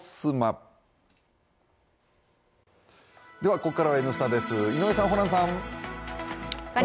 ここからは「Ｎスタ」です井上さん、ホランさん。